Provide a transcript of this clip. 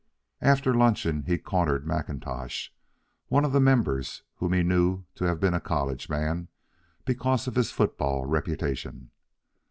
After luncheon he cornered Macintosh, one of the members whom he knew to have been a college man, because of his football reputation.